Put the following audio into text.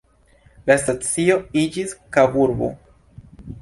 La stacio iĝis Kaburbo.